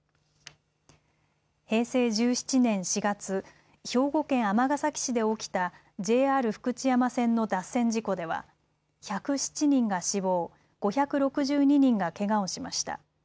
平成１７年４月、兵庫県尼崎市で起きたＪＲ福知山線の脱線事故では１０７人が死亡、５６２人がけがをしました。